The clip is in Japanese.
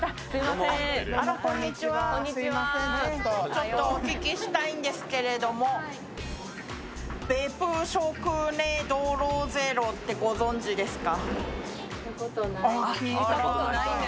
ちょっとお聞きしたいんですけど、ヴェプショクネドロゼロってご存じですか？